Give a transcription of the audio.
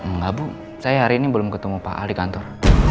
enggak bu saya hari ini belum ketemu pak ali kantor